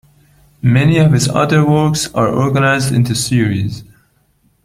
Many of his other works are organized into series.